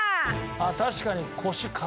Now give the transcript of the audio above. あっ確かに。